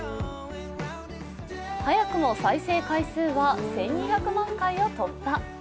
早くも再生回数は１２００万回を突破。